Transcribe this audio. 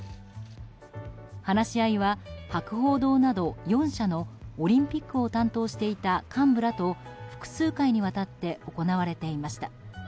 話し合いは、博報堂など４社のオリンピックを担当していた幹部らと複数回にわたって行われていました。